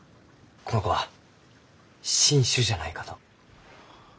この子は新種じゃないかと。